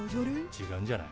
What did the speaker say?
ちがうんじゃない？